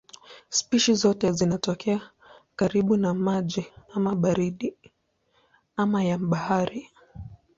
Spishi zote zinatokea karibu na maji ama baridi ama ya bahari.